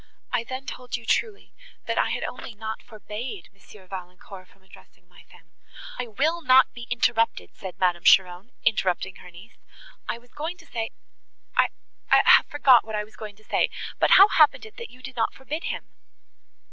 I then told you truly, that I had only not forbade Monsieur Valancourt from addressing my family." "I will not be interrupted," said Madame Cheron, interrupting her niece, "I was going to say—I—I—have forgot what I was going to say. But how happened it that you did not forbid him?"